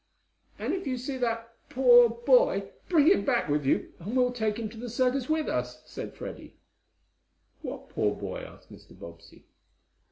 "And if you see that poor boy, bring him back with you, and we'll take him to the circus with us," said Freddie. "What poor boy?" asked Mr. Bobbsey.